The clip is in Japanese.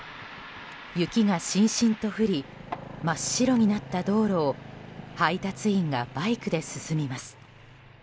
雪がしんしんと降り真っ白になった道路を配達員がバイクで進みます。